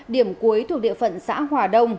điểm cuối thuộc địa phận xã hòa đông